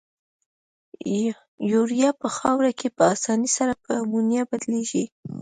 یوریا په خاوره کې په آساني سره په امونیا بدلیږي.